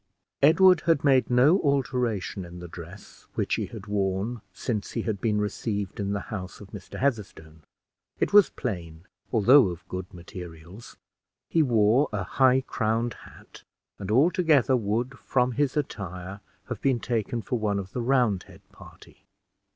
Edward had made no alteration in the dress which he had worn since he had been received in the house of Mr. Heatherstone. It was plain, although of good materials. He wore a high crowned hat, and, altogether, would, from his attire, have been taken for one of the Roundhead party.